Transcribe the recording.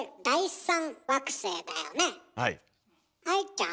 愛ちゃん。